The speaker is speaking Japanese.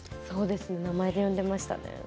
そうですね名前で呼んでいましたね。